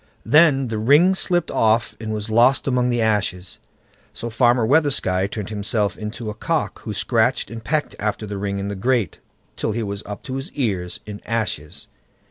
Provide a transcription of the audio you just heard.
Then the ring slipped off and was lost among the ashes. So Farmer Weathersky turned himself into a cock, who scratched and pecked after the ring in the grate, till he was up to the ears in ashes.